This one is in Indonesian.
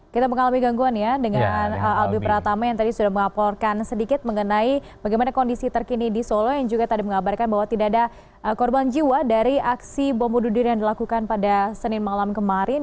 kita mengalami gangguan ya dengan albi pratama yang tadi sudah mengaporkan sedikit mengenai bagaimana kondisi terkini di solo yang juga tadi mengabarkan bahwa tidak ada korban jiwa dari aksi bom bunuh diri yang dilakukan pada senin malam kemarin